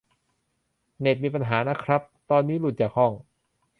เน็ตมีปัญหานะครับ ตอนนี้หลุดจากห้อง